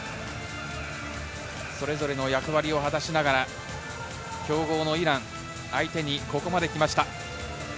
それぞれの役割を果たしながら、強豪のイラン相手にここまで来ました。